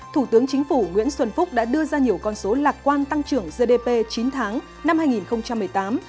thủ tướng chính phủ nguyễn xuân phúc đã đưa ra nhiều con số lạc quan tăng trưởng gdp chín tháng năm hai nghìn một mươi tám